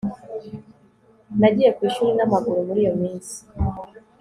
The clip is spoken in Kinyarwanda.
Nagiye ku ishuri namaguru muri iyo minsi